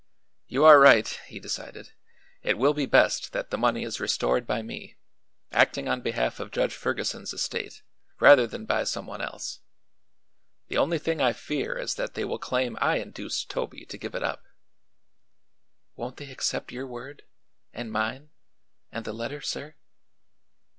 "You are right," he decided. "It will be best that the money is restored by me, acting on behalf of Judge Ferguson's estate, rather than by some one else. The only thing I fear is that they will claim I induced Toby to give it up." "Won't they accept your word and mine and the letter, sir?"